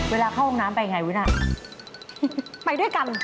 เวลาเข้าห้องน้ำไปอย่างไรวิน่ะ